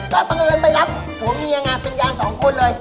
ก็บังเอิญไปรับผัวเมียเป็นยายสองคนเลย